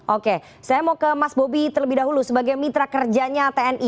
oke saya mau ke mas bobi terlebih dahulu sebagai mitra kerjanya tni